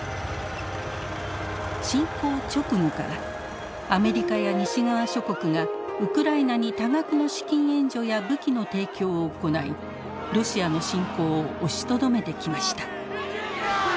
侵攻直後からアメリカや西側諸国がウクライナに多額の資金援助や武器の提供を行いロシアの侵攻を押しとどめてきました。